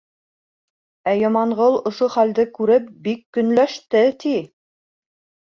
Ә Яманғол ошо хәлде күреп бик көнләште, ти.